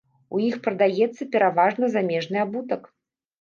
У іх прадаецца пераважна замежны абутак.